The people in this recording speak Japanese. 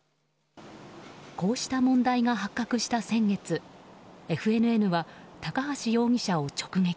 こうした問題が発覚した先月ＦＮＮは高橋容疑者を直撃。